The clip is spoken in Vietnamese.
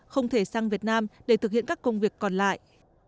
không thể sang việt nam để thực hiện các công việc còn lại